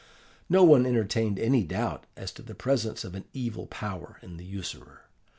No one entertained any doubt as to the presence of an evil power in the usurer.